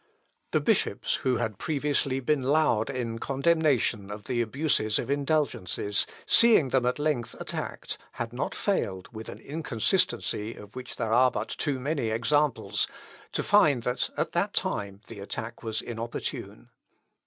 The bishops, who had previously been loud in condemnation of the abuses of indulgences, seeing them at length attacked, had not failed, with an inconsistency of which there are but too many examples, to find that at that time the attack was inopportune.